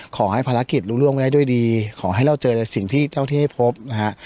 ขอให้ภารกิจรู้ล่วงได้ด้วยดีขอให้เราเจอในสิ่งที่เจ้าที่ให้พบนะฮะ